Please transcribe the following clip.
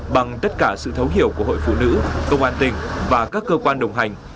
bằng tất cả sự thấu hiểu của hội phụ nữ công an tỉnh và các cơ quan đồng hành